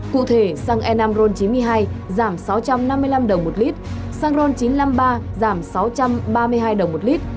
cụ thể xăng enamron chín mươi hai giảm sáu trăm năm mươi năm đồng một lit xăng ron chín trăm năm mươi ba giảm sáu trăm ba mươi hai đồng một lit